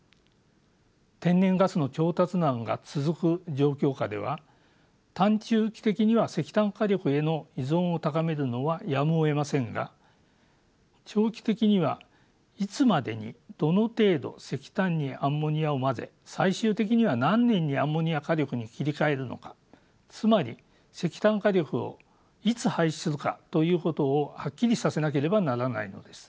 天然ガスの調達難が続く状況下では短・中期的には石炭火力への依存を高めるのはやむをえませんが長期的にはいつまでにどの程度石炭にアンモニアを混ぜ最終的には何年にアンモニア火力に切り替えるのかつまり石炭火力をいつ廃止するかということをはっきりさせなければならないのです。